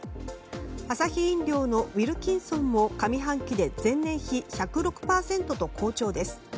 アサヒ飲料のウィルキンソンも上半期で前年比１０６％と好調です。